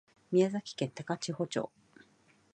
宮崎県高千穂町